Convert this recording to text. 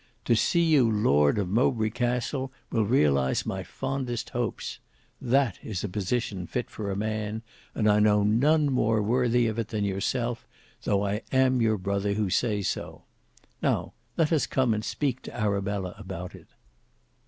To see you lord of Mowbray Castle will realize my fondest hopes. That is a position fit for a man, and I know none more worthy of it than yourself, though I am your brother who say so. Now let us come and speak to Arabella about it."